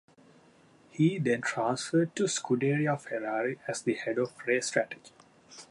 He then transferred to Scuderia Ferrari as the Head of Race Strategy.